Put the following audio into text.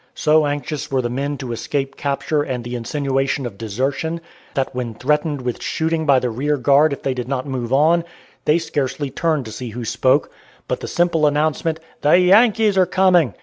So anxious were the men to escape capture and the insinuation of desertion, that when threatened with shooting by the rear guard if they did not move on they scarcely turned to see who spoke: but the simple announcement, "The Yankees are coming!"